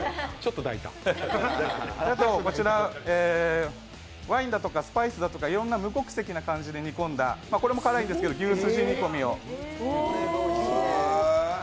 あとこちらワインだとかスパイスだとかいろんな無国籍な感じで煮込んだ牛すじ煮込みを。